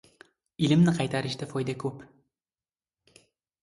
• Ilmni qaytarishda foyda ko‘p.